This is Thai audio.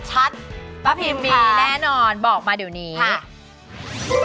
ป้าพิมมีแน่นอนบอกมาเดี๋ยวนี้ค่ะป้าพิมค่ะ